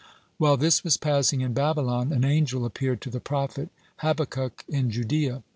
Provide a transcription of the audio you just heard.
While this was passing in Babylon, an angel appeared to the prophet Habakkuk in Judea.